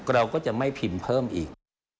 เราก็จะไม่พิมพ์เพิ่มอีก